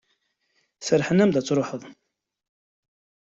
Serrḥen-am-d ad d-truḥeḍ.